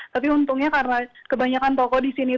tapi untungnya karena kebanyakan toko di sini